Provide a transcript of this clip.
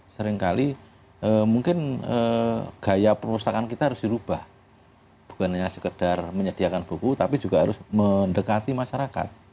seringkali mungkin gaya perpustakaan kita harus dirubah bukan hanya sekedar menyediakan buku tapi juga harus mendekati masyarakat